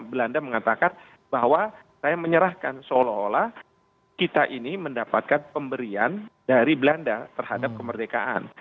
belanda mengatakan bahwa saya menyerahkan seolah olah kita ini mendapatkan pemberian dari belanda terhadap kemerdekaan